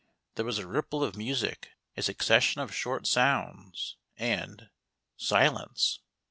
There was a ripple of music, a succession of short sounds, and — silence.